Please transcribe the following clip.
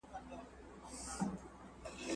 زه پرون ليک لولم وم!.